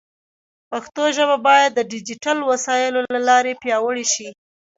پښتو ژبه باید د ډیجیټل وسایلو له لارې پیاوړې شي.